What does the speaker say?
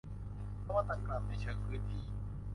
นวัตกรรมในเชิงพื้นที่